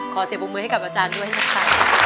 เสียบวงมือให้กับอาจารย์ด้วยนะคะ